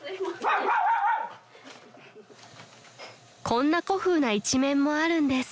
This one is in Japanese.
［こんな古風な一面もあるんです］